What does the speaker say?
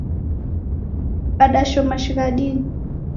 Wadashoma shighadini